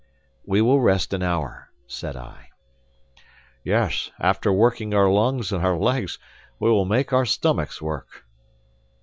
"We will rest an hour," said I. "Yes; after working our lungs and our legs, we will make our stomachs work."